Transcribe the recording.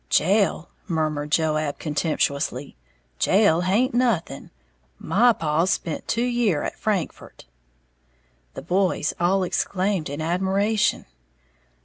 "Jail," murmured Joab, contemptuously, "jail haint nothing! My paw's spent two year at Frankfort!" The boys all exclaimed in admiration.